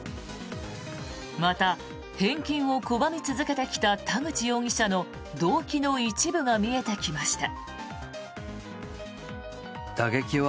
また、返金を拒み続けてきた田口容疑者の動機の一部が見えてきました。